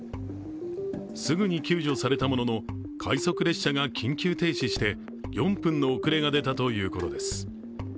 すぐに救助されたものの快速列車が緊急停止して４分の遅れが出たということです。